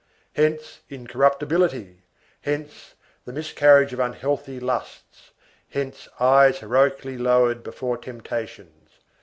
Hence incorruptibility; hence the miscarriage of unhealthy lusts; hence eyes heroically lowered before temptations.